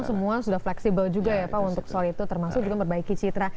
semua sudah fleksibel juga ya pak untuk soal itu termasuk juga memperbaiki citra